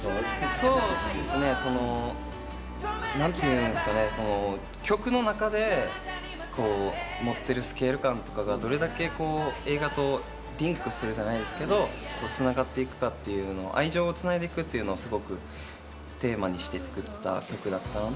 そうですね、なんて言うんですかね、曲の中で持ってるスケール感とかが、どれだけ映画とリンクするじゃないですけど、繋がっていくかっていうのを、愛情つないでいくっていうのをすごくテーマにして作った曲だったので。